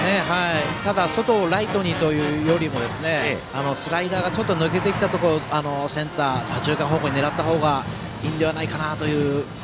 ただ、外をライトにというよりもスライダーがちょっと抜けてきたところを、センター左中間方向に狙った方がいいんではないかなという。